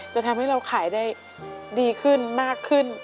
จะทำให้เราขายได้ดีขึ้นมากขึ้น